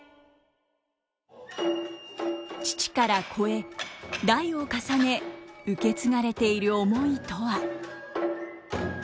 父から子へ代を重ね受け継がれている思いとは。